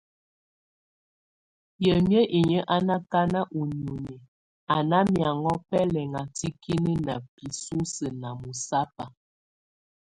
Yə mi inyə́ na kaná u níoni a ná miaŋɔ́ pɛlɛŋa tikínə na pisúsu na mɔsapa.